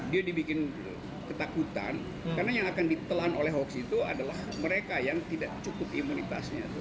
dia dibikin ketakutan karena yang akan ditelan oleh hoax itu adalah mereka yang tidak cukup imunitasnya